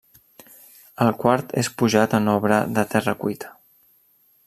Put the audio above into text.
El quart és pujat en obra de terra cuita.